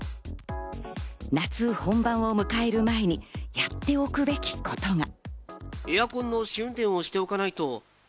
夏本番を迎える前にやっておくべきことが。